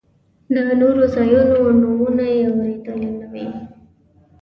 د نورو ځایونو نومونه یې اورېدلي نه وي.